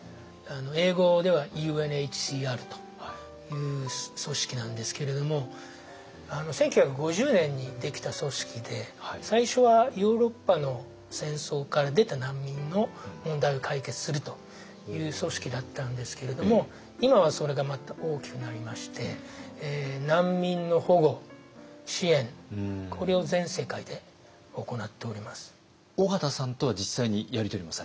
英語ではＵＮＨＣＲという組織なんですけれども１９５０年にできた組織で最初はヨーロッパの戦争から出た難民の問題を解決するという組織だったんですけれども今はそれがまた大きくなりまして緒方さんとは実際にやり取りもされた？